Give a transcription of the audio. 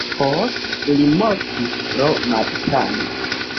Poste li mortis pro malsano.